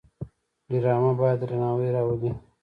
ډرامه باید درناوی راولي